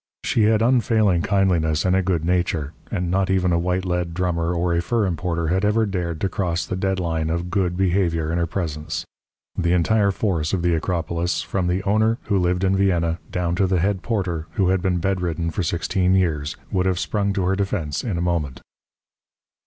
She had unfailing kindliness and a good nature; and not even a white lead drummer or a fur importer had ever dared to cross the dead line of good behaviour in her presence. The entire force of the Acropolis, from the owner, who lived in Vienna, down to the head porter, who had been bedridden for sixteen years, would have sprung to her defence in a moment.